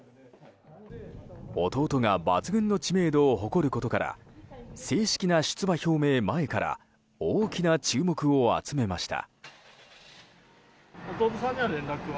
弟が抜群の知名度を誇ることから正式な出馬表明前から大きな注目を集めました。